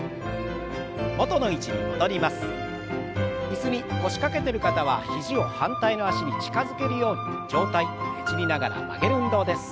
椅子に腰掛けてる方は肘を反対の脚に近づけるように上体ねじりながら曲げる運動です。